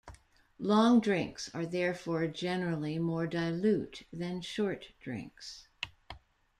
Long drinks are therefore generally more dilute than short drinks.